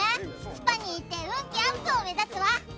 「スパに行って運気アップを目指すわ」